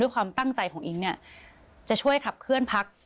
ความตั้งใจของอิ๊งเนี่ยจะช่วยขับเคลื่อนพัก